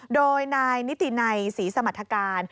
โดยในนิติในศรีสมรรถการ